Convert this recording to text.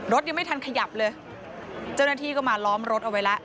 รถยังไม่ทันขยับเลยเจ้าหน้าที่ก็มาล้อมรถเอาไว้แล้ว